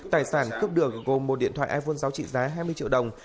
tài sản cướp được gồm một điện thoại iphone giáo trị giá hai mươi triệu đồng